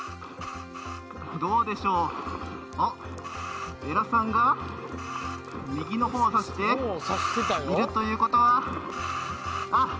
どうでしょう、江良さんが右の方を指しているということはあっ！